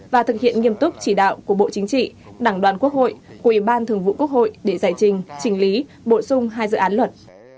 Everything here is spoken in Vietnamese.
và thực hiện nghiêm túc chỉ đạo của bộ chính trị đảng đoàn quốc hội của ủy ban thường vụ quốc hội để giải trình trình lý bổ sung hai dự án luật